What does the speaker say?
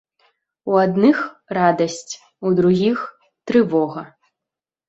У адных радасць, у другіх трывога.